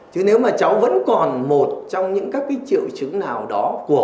chứ nếu mà cháu vẫn còn một trong những các cái triệu chứng nào đó của